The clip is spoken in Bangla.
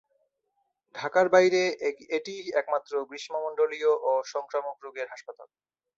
ঢাকার বাইরে এটিই একমাত্র গ্রীষ্মমণ্ডলীয় ও সংক্রামক রোগের হাসপাতাল।